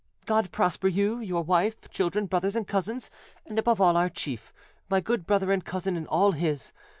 God prosper you, your wife, children, brothers and cousins, and above all our chief, my good brother and cousin, and all his.